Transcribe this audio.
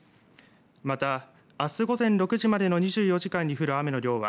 また、あす午前６時までの２４時間に降る雨の量は